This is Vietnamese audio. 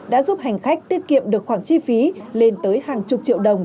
đã giúp hành khách tiết kiệm được khoảng chi phí lên tới hàng chục triệu đồng